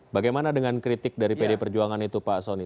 bagaimana dengan kritik dari pd perjuangan itu pak soni